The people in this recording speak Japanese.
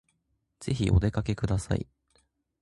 ぜひお出かけください